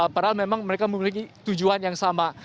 padahal memang mereka memiliki tujuan yang sama